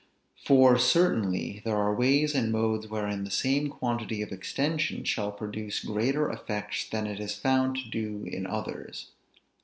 For, certainly, there are ways and modes wherein the same quantity of extension shall produce greater effects than it is found to do in others.